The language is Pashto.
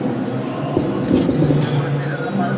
موږ وزن نه پرتله کوو.